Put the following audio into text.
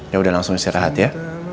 ya udah langsung istirahat ya